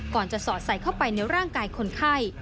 ก่อนจะสอดใส่เข้าไปในร่างกายคนไข้